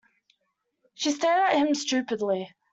She stared at him stupidly.